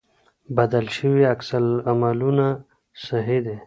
بدل شوي عکس العملونه صحي دي.